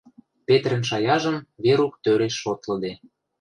Петрӹн шаяжым Верук тӧреш шотлыде.